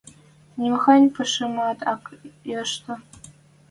Нимахань пӓшӓмӓт ак ӹштӹ...